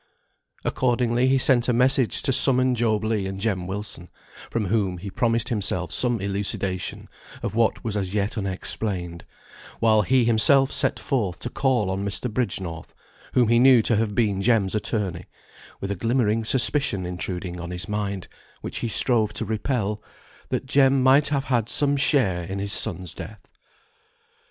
Accordingly he sent a message to summon Job Legh and Jem Wilson, from whom he promised himself some elucidation of what was as yet unexplained; while he himself set forth to call on Mr. Bridgenorth, whom he knew to have been Jem's attorney, with a glimmering suspicion intruding on his mind, which he strove to repel, that Jem might have had some share in his son's death.